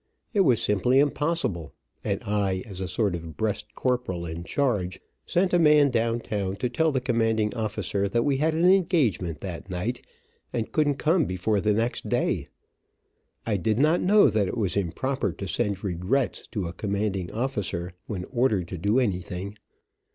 It was simply impossible, and I, as a sort of breast corporal in charge, sent a man down town to tell the commanding officer that we had an engagement that night, and couldn't come before the next day. I did not know that it was improper to send regrets to a commanding officer when ordered to do anything.